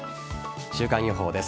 週間予報です。